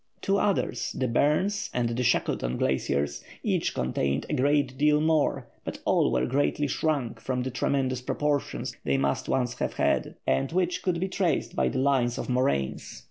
Two others, the Barnes and the Shackleton Glaciers, each contained a great deal more; but all were greatly shrunk from the tremendous proportions they must once have had, and which could be traced by the lines of moraines.